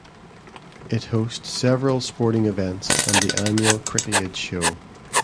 It hosts several sporting events and the annual Cricklade Show.